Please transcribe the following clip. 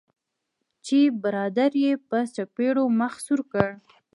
چې برادر یې په څپیړو مخ سور کړ.